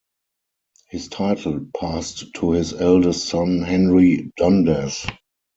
His title passed to his eldest son Henry Dundas.